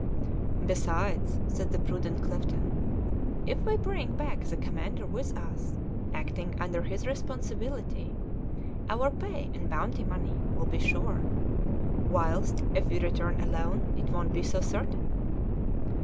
"Besides," said the prudent Clifton, "if we bring back the commander with us, acting under his responsibility, our pay and bounty money will be sure; whilst if we return alone it won't be so certain."